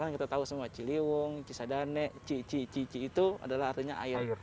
ya kan kita tahu semua ciliwung cisadane ci ci ci ci itu adalah artinya air